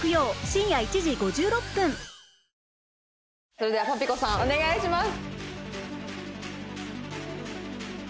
それではパピコさんお願いします。